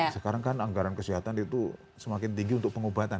sekarang kan anggaran kesehatan itu semakin tinggi untuk pengobatan